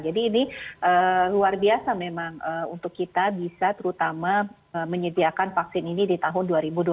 jadi ini luar biasa memang untuk kita bisa terutama menyediakan vaksin ini di tahun dua ribu dua puluh satu